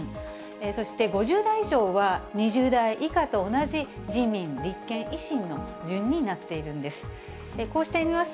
そして５０代以上は２０代以下と同じ自民、立憲、維新の順になっているんです。